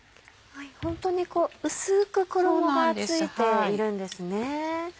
ホントに薄く衣が付いているんですね。